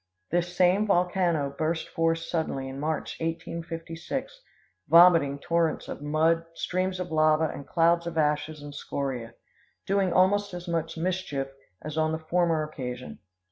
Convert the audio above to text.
This same volcano burst forth suddenly in March, 1856, vomiting torrents of mud, streams of lava, and clouds of ashes and scoria, doing almost as much mischief as on the former occasion.